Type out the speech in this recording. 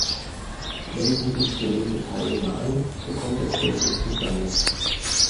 Melden sich zu wenige Teilnehmer an, so kommt der Kurs nicht zustande.